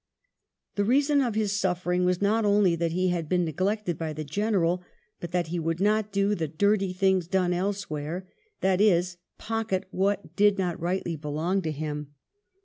The reason of his suffering was not only that he had been neglected by the General, but that he would not do "the dirty things'* done elsewhere, that is, pocket what did not rightly belong to him.